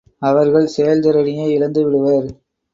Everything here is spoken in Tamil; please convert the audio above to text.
அவர்கள் செயல்திறனையே இழந்துவிடுவர்.